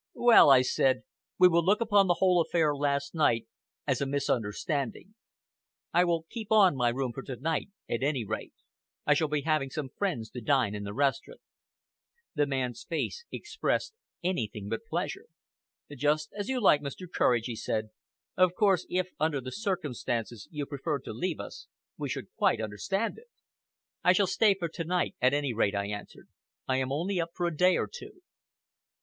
"Well," I said, "we will look upon the whole affair last night as a misunderstanding. I will keep on my room for to night, at any rate. I shall be having some friends to dine in the restaurant." The man's face expressed anything but pleasure. "Just as you like, Mr. Courage," he said. "Of course, if, under the circumstances, you preferred to leave us, we should quite understand it!" "I shall stay for to night, at any rate," I answered. "I am only up for a day or two."